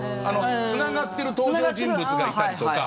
つながっている登場人物がいたりとか